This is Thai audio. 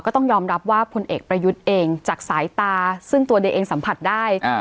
ก็ต้องยอมรับว่าพลเอกประยุทธ์เองจากสายตาซึ่งตัวเดียเองสัมผัสได้